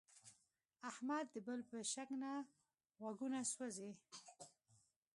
احمد د بل په شکنه غوږونه سوزي.